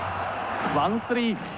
ワンスリー。